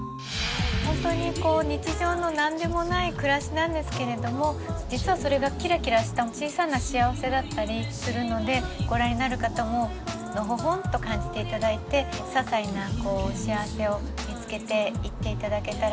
本当にこう日常の何でもない暮らしなんですけれども実はそれがキラキラした小さな幸せだったりするのでご覧になる方ものほほんと感じて頂いてささいな幸せを見つけていって頂けたらなっていうふうに思ってます。